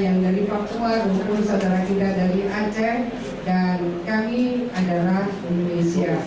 yang dari papua maupun saudara kita dari aceh dan kami adalah indonesia